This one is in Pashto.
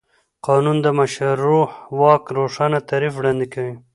قانون د مشروع واک روښانه تعریف وړاندې کوي.